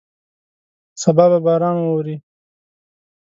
سبا به باران ووري.